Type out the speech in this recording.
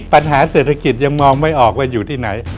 ปัญหาเศรษฐกิจยังมองไม่ออกว่าอยู่ที่ไหน